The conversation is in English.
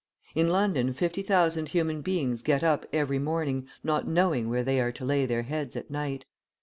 In London fifty thousand human beings get up every morning, not knowing where they are to lay their heads at night.